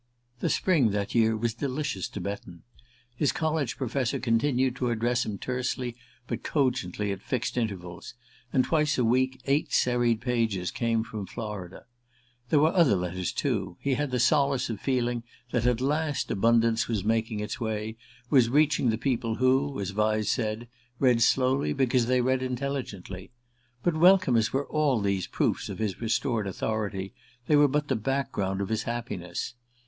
The spring, that year, was delicious to Betton. His college professor continued to address him tersely but cogently at fixed intervals, and twice a week eight serried pages came from Florida. There were other letters, too; he had the solace of feeling that at last "Abundance" was making its way, was reaching the people who, as Vyse said, read slowly because they read intelligently. But welcome as were all these proofs of his restored authority they were but the background of his happiness.